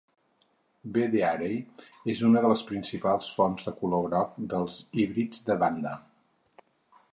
"V. dearei" és una de les principals fonts de color groc dels híbrids de "Vanda".